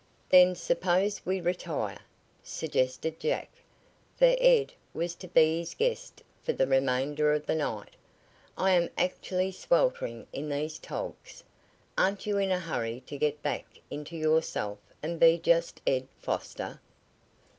"Then suppose we retire?" suggested Jack, for Ed was to be his guest for the remainder of the night. "I am actually sweltering in these togs. Aren't you in a hurry to get back into yourself and be just Ed Foster?"